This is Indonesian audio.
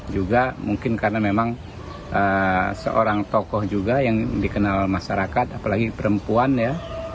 juga mungkin karena memang seorang tokoh juga yang dikenal masyarakat apalagi perempuan ya